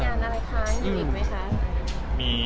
มีงานอะไรคะอยู่อีกไหมคะ